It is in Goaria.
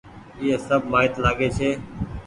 ايئي سب مآئيت لآگي ڇي۔